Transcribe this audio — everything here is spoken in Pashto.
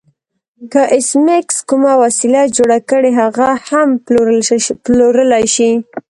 که ایس میکس کومه وسیله جوړه کړي هغه هم پلورلی شي